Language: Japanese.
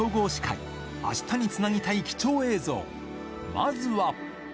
まずは。